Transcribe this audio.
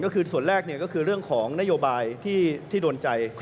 ก็คือส่วนแรกก็คือเรื่องของนโยบายที่โดนใจ